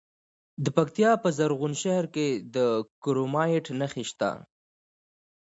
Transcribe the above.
د پکتیکا په زرغون شهر کې د کرومایټ نښې شته.